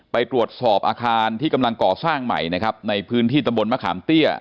ไปตรวจสอบอาคารที่กำลังก่อสร้างใหม่นะครับในพื้นที่ตำบลมะขามเตี้ย